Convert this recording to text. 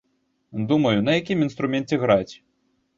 Думаю, на якім інструменце граць.